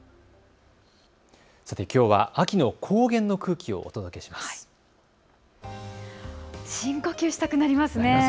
さてきょうは秋の高原の空気をお届けします。